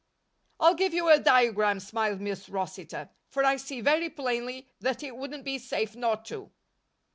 "I'll give you a diagram," smiled Miss Rossitor, "for I see very plainly, that it wouldn't be safe not to."